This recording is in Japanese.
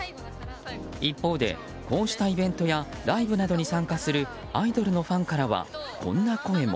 一方で、こうしたイベントやライブなどに参加するアイドルのファンからはこんな声も。